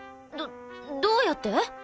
どどうやって？